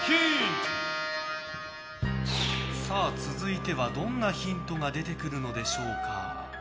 さあ、続いてはどんなヒントが出てくるのでしょうか？